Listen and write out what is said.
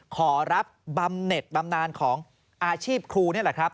ขอรับบำเน็ตบำนานของอาชีพครูนี่แหละครับ